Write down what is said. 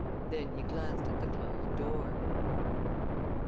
Then he glanced at the closed door.